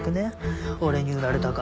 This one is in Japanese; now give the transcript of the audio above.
俺に売られたか。